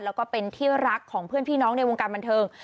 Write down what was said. แล้วก็เป็นที่รักของเพื่อนพี่น้องในวงการบันเทิง